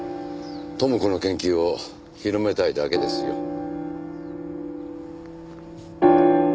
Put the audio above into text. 知子の研究を広めたいだけですよ。